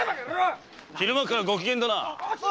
昼間からご機嫌だな。